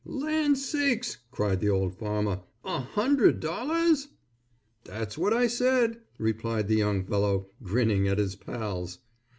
"Land sakes!" cried the old farmer. "A hundred dollars?" "That's what I said," replied the young fellow, grinning at his pals.